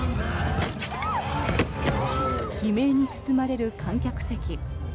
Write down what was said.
悲鳴に包まれる観客席。